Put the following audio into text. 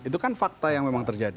itu kan fakta yang memang terjadi